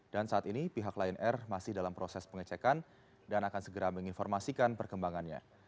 dan saat ini pihak lion air masih dalam proses pengecekan dan akan segera menginformasikan perkembangannya